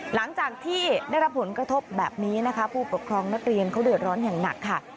หลังจากที่ได้รับผลกระทบแบบนี้นะคะผู้ปกครองนักเรียนเขาเดือดร้อนอย่างหนักค่ะ